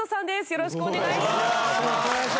よろしくお願いします！